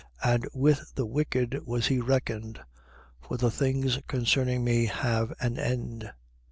And with the wicked was he reckoned. For the things concerning me have an end.